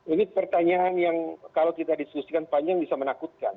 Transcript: ini pertanyaan yang kalau kita diskusikan panjang bisa menakutkan